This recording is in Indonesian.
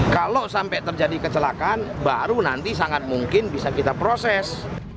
kalau sampai terjadi kecelakaan baru nanti sangat mungkin bisa kita proses